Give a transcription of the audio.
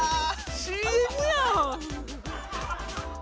ＣＭやん！